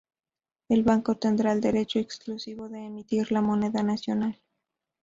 El Banco tendrá el derecho exclusivo de emitir la moneda nacional.